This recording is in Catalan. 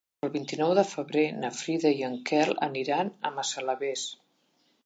El vint-i-nou de febrer na Frida i en Quel aniran a Massalavés.